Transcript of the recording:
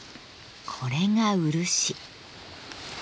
これが漆。